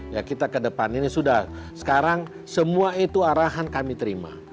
ya kita ke depan ini sudah sekarang semua itu arahan kami terima